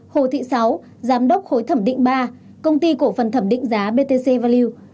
hai hồ thị sáu giám đốc hối thẩm định ba công ty cổ phần thẩm định giá btc value